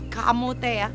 kamu teh ya